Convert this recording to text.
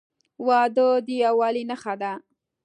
• واده د یووالي نښه ده.